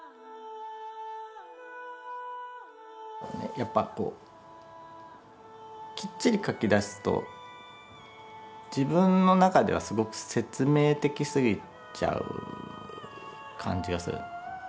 やっぱこうきっちり描き出すと自分の中ではすごく説明的すぎちゃう感じがする。